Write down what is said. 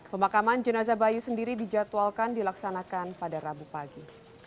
pemakaman jenazah bayu sendiri dijadwalkan dilaksanakan pada rabu pagi